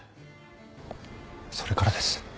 それからです。